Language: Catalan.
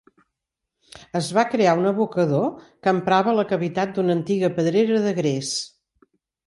Es va crear a un abocador que emprava la cavitat d'una antiga pedrera de gres.